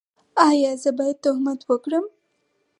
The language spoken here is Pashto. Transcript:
ایا زه باید تهمت وکړم؟